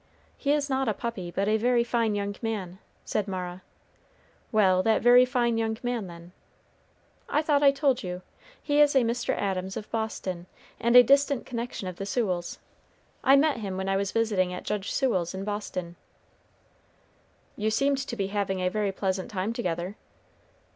"He is not a puppy, but a very fine young man," said Mara. "Well, that very fine young man, then?" "I thought I told you. He is a Mr. Adams of Boston, and a distant connection of the Sewells. I met him when I was visiting at Judge Sewell's in Boston." "You seemed to be having a very pleasant time together?"